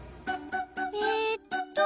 えっと。